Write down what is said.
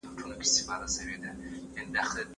که ماشوم مطالعه وکړي، ناپوهي ختمیږي.